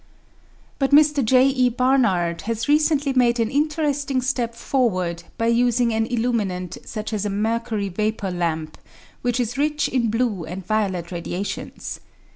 But Mr. J. E. Barnard has recently made an interesting step forward by using an illuminant such as a mercury vapour lamp, which is rich in blue and violet radiations.